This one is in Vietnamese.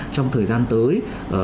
trong thời gian tới